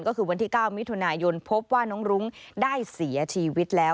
ก็คือวันที่๙มิถุนายนพบว่าน้องรุ้งได้เสียชีวิตแล้ว